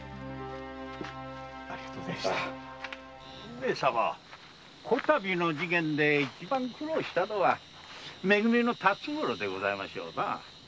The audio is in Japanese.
上様今度の事件で一番苦労したのはめ組の辰五郎でございましょうな。